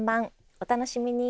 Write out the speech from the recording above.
お楽しみに。